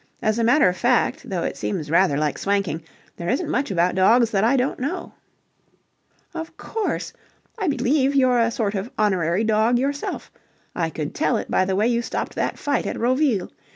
As a matter of fact, though it seems rather like swanking, there isn't much about dogs that I don't know." "Of course. I believe you're a sort of honorary dog yourself. I could tell it by the way you stopped that fight at Roville.